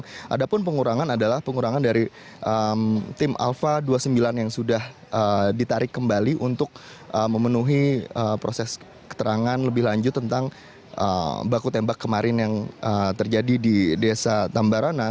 namun ada pun pengurangan adalah pengurangan dari tim alpha dua puluh sembilan yang sudah ditarik kembali untuk memenuhi proses keterangan lebih lanjut tentang baku tembak kemarin yang terjadi di desa tambarana